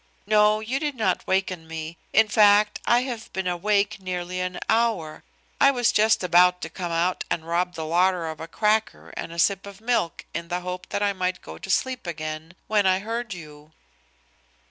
"No, you did not waken me. In fact, I have been awake nearly an hour. I was just about to come out and rob the larder of a cracker and a sip of milk in the hope that I might go to sleep again when I heard you."